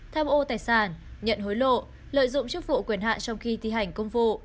tham ô tài sản nhận hối lộ lợi dụng chức vụ quyền hạn trong khi thi hành công vụ